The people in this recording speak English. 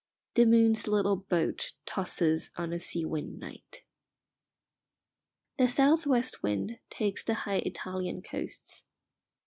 The moon's little boat tosses on a sea wind night. The south west wind takes the high Italian coasts.